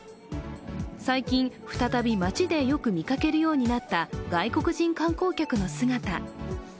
最近、再び街でよく見かけるようになった外国人観光客の姿。